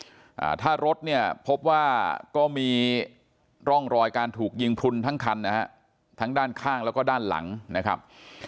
อ่าถ้ารถเนี่ยพบว่าก็มีร่องรอยการถูกยิงพลุนทั้งคันนะฮะทั้งด้านข้างแล้วก็ด้านหลังนะครับ